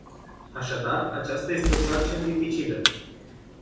Așadar, aceasta este o sarcină dificilă.